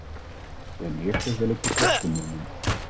Ten eerste wil ik de kosten noemen.